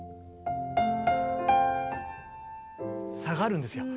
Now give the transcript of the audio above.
下がるんですよ。